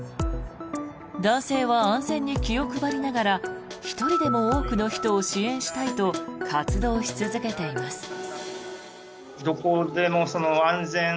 男性は安全に気を配りながら一人でも多くの人を支援したいと活動し続けています。